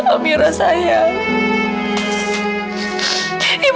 ibu tak akan kehilangan kamu